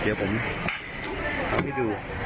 เดี๋ยวผมทำให้ดู